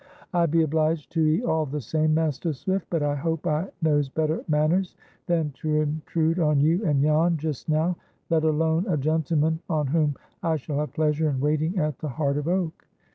"I be obliged to 'ee all the same, Master Swift. But I hope I knows better manners than to intrude on you and Jan just now, let alone a gentleman on whom I shall have pleasure in waiting at the Heart of Oak.